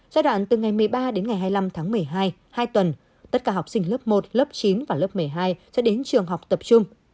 giai đoạn từ ngày một mươi ba đến ngày hai mươi năm tháng một mươi hai hai tuần tất cả học sinh lớp một lớp chín và lớp một mươi hai sẽ đến trường học tập trung